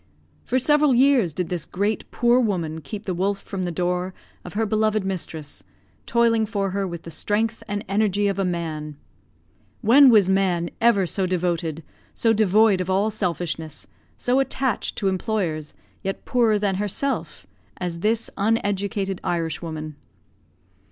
For several years did this great, poor woman keep the wolf from the door of her beloved mistress, toiling for her with the strength and energy of a man. When was man ever so devoted, so devoid of all selfishness, so attached to employers, yet poorer than herself, as this uneducated Irishwoman?